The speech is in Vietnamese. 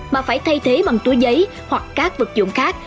mà phải thay thế bằng túi giấy hoặc các vật dụng khác